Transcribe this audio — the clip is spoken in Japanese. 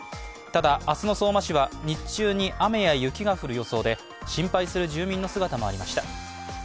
ただ、明日の相馬市は日中に雨や雪が降る予想で心配する住民の姿もありました。